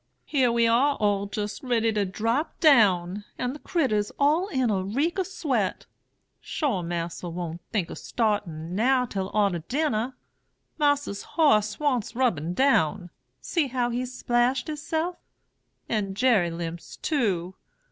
Here we are all jist ready to drop down, and the critturs all in a reek o' sweat. Sure Mas'r won't think of startin' now till arter dinner. Mas'r's hoss wants rubben down. See how he's splashed hisself! and Jerry limps, too.